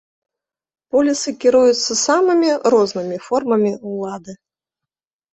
Полісы кіруюцца самымі рознымі формамі ўлады.